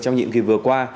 trong những kỳ vừa qua